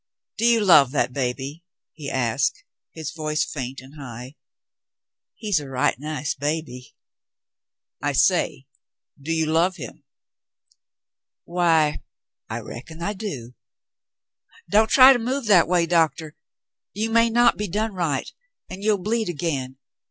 "Do you love that baby ?" he asked, his voice faint and high. "He's a right nice baby." " I say — do you love him ?" "Why — I reckon I do. Don't try to move that way, Doctah. You may not be done right, and you'll bleed again.